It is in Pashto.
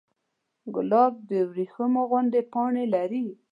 ګلاب د وریښمو غوندې پاڼې لري.